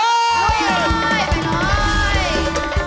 ไปเลยไปเลย